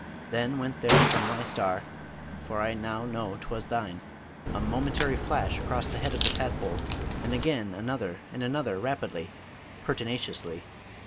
Then went there from thy star for I know now 'twas thine a momentary flash across the head of the tadpole, and again another and another, rapidly, pertinaciously.